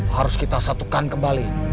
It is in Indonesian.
harus kita satukan kembali